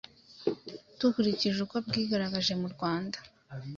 dukurikije uko bwigaragaje mu Rwanda.